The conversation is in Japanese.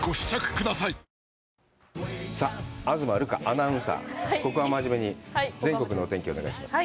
伽アナウンサー、ここは真面目に、全国のお天気をお願いします。